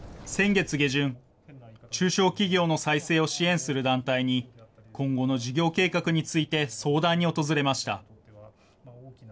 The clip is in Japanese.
先月下旬、中小企業の再生を支援する団体に、今後の事業計画について相談に訪れました。